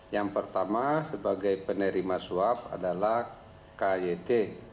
yang pertama sebagai penerima suap adalah kyt